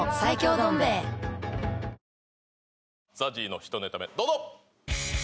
どん兵衛ＺＡＺＹの１ネタ目どうぞ！